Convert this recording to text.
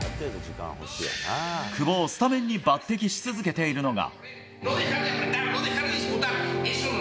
久保をスタメンに抜擢し続けているのが。